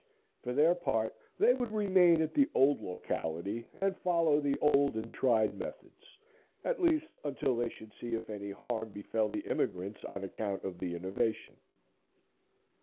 For their part, they would remain at the old locality and follow the old and tried methods, at least, until they should see if any harm befell the immigrants on account of the innovation.